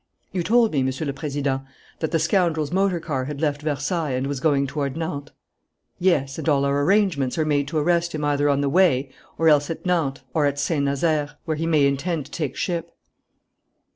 "You told me, Monsieur le Président, that the scoundrel's motor car had left Versailles and was going toward Nantes?" "Yes; and all our arrangements are made to arrest him either on the way, or else at Nantes or at Saint Nazaire, where he may intend to take ship."